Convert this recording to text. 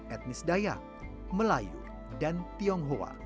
etnis daya melayu dan tionghoa